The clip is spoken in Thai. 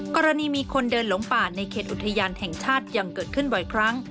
กรณีมีคนเดินหลงป่าในเขตอุทยานแห่งชาติยังเกิดขึ้นบ่อยครั้ง